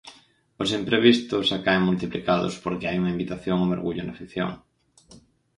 Os imprevistos acaen multiplicados porque hai unha invitación ao mergullo na ficción.